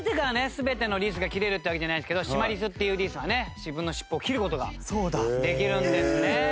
全てのリスが切れるってわけじゃないですけどシマリスっていうリスはね自分の尻尾を切る事ができるんですね。